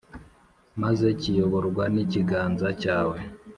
maze kiyoborwa n’ikiganza cyawe,